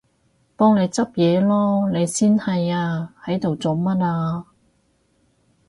幫你執嘢囉！你先係啊，喺度做乜啊？